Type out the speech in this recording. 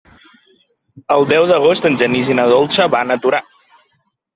El deu d'agost en Genís i na Dolça van a Torà.